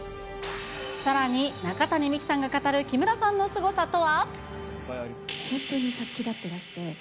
さらに、中谷美紀さんが語る木村さんのすごさとは。